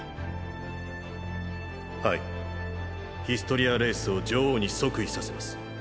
ヒストリア・レイスを女王に即位させます。